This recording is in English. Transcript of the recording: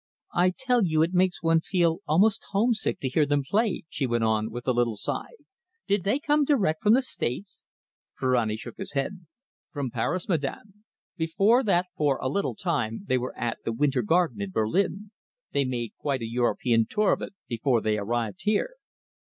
"I tell you it makes one feel almost homesick to hear them play," she went on, with a little sigh. "Did they come direct from the States?" Ferrani shook his head. "From Paris, madam. Before that, for a little time, they were at the Winter Garden in Berlin. They made quite a European tour of it before they arrived here."